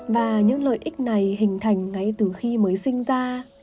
và những lợi ích này hình thành ngay từ khi mới sinh ra